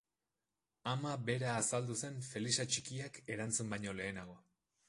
Ama bera azaldu zen Felisa txikiak erantzun baino lehenago.